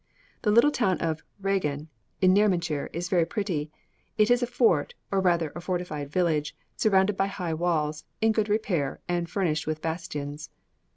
The little town of Regan, in Nermanchir, is very pretty. It is a fort, or rather a fortified village, surrounded by high walls, in good repair, and furnished with bastions.